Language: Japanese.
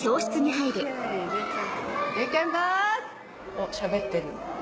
おっしゃべってる。